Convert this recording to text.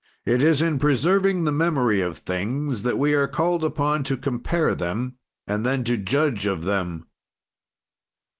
"It is in preserving the memory of things that we are called upon to compare them and then to judge of them.